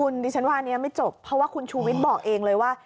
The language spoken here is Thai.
ดิฉันว่าอันนี้ไม่จบเพราะว่าคุณชูวิทย์บอกเองเลยว่า